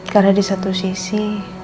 karena di satu sisi